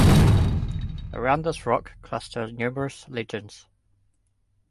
Around this rock cluster numerous legends.